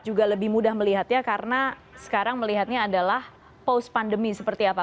juga lebih mudah melihatnya karena sekarang melihatnya adalah post pandemi seperti apa